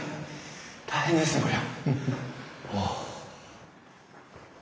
大変ですねこりゃ。